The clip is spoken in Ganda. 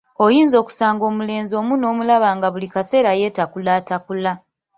Oyinza okusanga omulenzi omu nomulaba nga buli kaseera yeetakulatakula.